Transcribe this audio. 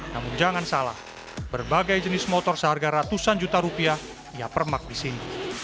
namun jangan salah berbagai jenis motor seharga ratusan juta rupiah ia permak di sini